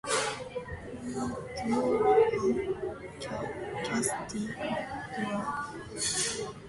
All Durham Cathedral choristers attend the Chorister School.